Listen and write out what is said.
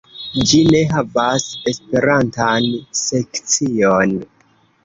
Ĝi ne havas esperantan sekcion.